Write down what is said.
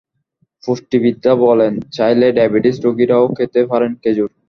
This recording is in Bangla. পুষ্টিবিদরা বলেন চাইলে ডায়াবেটিস রোগীরাও খেতে পারেন খেজুর।